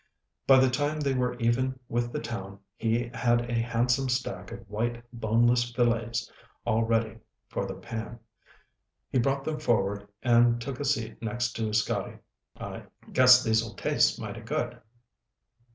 By the time they were even with the town he had a handsome stack of white boneless fillets all ready for the pan. He brought them forward and took a seat next to Scotty. "Guess these'll taste mighty good.